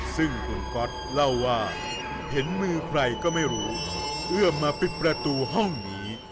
ซึ่งคุณก๊อตเล่าว่าเห็นมือใครก็ไม่รู้เอื้อมมาปิดประตูห้องนี้